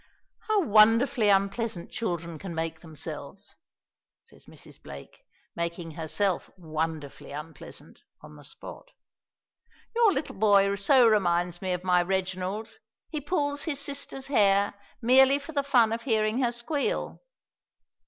"How wonderfully unpleasant children can make themselves," says Mrs. Blake, making herself 'wonderfully unpleasant' on the spot. "Your little boy so reminds me of my Reginald. He pulls his sister's hair merely for the fun of hearing her squeal!"